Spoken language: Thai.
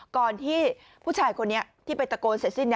ก่อนที่ผู้ชายคนนี้ที่ไปตะโกนเสร็จสิ้น